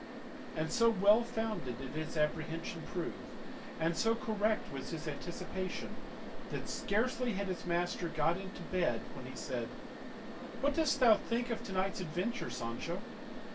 And so well founded did his apprehension prove, and so correct was his anticipation, that scarcely had his master got into bed when he said, "What dost thou think of to night's adventure, Sancho?